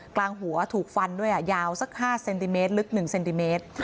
กลางหัวถูกฟันด้วยยาวสัก๕เซนติเมตรลึก๑เซนติเมตร